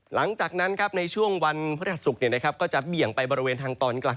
หลังจากนั้นในช่วงวันพฤหัสศุกร์ก็จะเบี่ยงไปบริเวณทางตอนกลาง